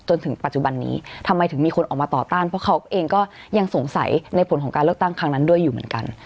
จนถึงปัจจุบันนี้ทำไมถึงมีคนออกมาต่อต้านเพราะเขาเองก็ยังสงสัยในผลของการเลือกตั้งครั้งนั้นด้วยอยู่เหมือนกัน